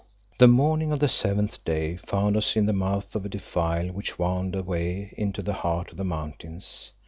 The morning of the seventh day found us in the mouth of a defile which wound away into the heart of the mountains.